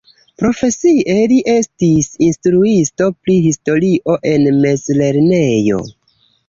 Profesie li estis instruisto pri historio en mezlernejo.